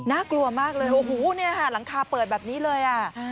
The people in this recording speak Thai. น่ากลัวมากเลยหูนี่ค่ะหลังคาเปิดแบบนี้เลย